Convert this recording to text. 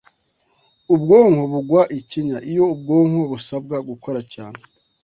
ubwonko bugwa ikinya. Iyo ubwonko busabwa gukora cyane